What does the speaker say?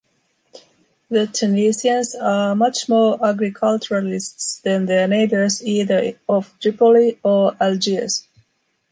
The Tunisians are much more agriculturists than their neighbors either of Tripoli or Algiers.